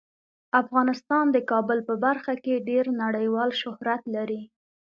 افغانستان د کابل په برخه کې ډیر نړیوال شهرت لري.